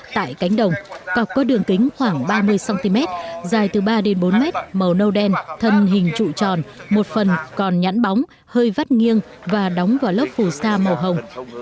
tại cánh đồng cọc có đường kính khoảng ba mươi cm dài từ ba bốn m màu nâu đen thân hình trụ tròn một phần còn nhẵn bóng hơi vắt nghiêng và đóng vào lớp phù sa màu hồng